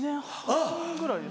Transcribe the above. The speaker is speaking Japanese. あっ。